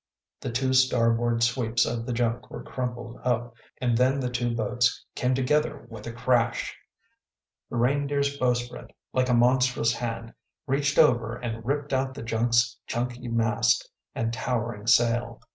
The two starboard sweeps of the junk were crumpled up, and then the two boats came together with a crash. The Reindeer’s bowsprit, like a monstrous hand, reached over and ripped out the junk’s chunky mast and towering sail.